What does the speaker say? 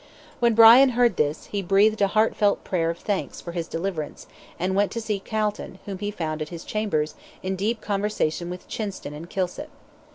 When Brian heard this, he breathed a heartfelt prayer of thanks for his deliverance, and went to see Calton, whom he found at his chambers, in deep conversation with Chinston and Kilsip.